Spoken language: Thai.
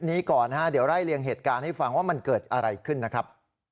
นี้ก่อนนะฮะเดี๋ยวไล่เลี่ยงเหตุการณ์ให้ฟังว่ามันเกิดอะไรขึ้นนะครับ